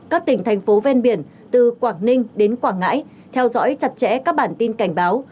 các tỉnh thành phố ven biển từ quảng ninh đến quảng ngãi theo dõi chặt chẽ các bản tin cảnh báo